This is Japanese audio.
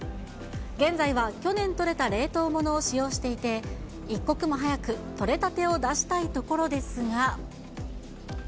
現在は去年取れた冷凍ものを使用していて、一刻も早く取れたてを出したいところですが。